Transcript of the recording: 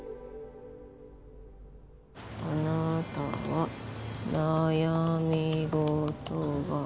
あなたは悩み事が。